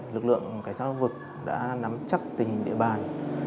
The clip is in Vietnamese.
lực lượng cảnh sát giao vực đã nắm chắc tình hình địa bàn